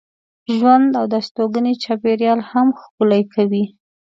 ژوند او د استوګنې چاپېریال هم ښکلی کوي.